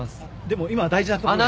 でも今は大事なところで。